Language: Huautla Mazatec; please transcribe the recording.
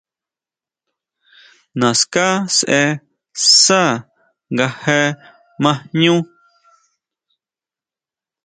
Naská sʼe sá nga je ma jñú.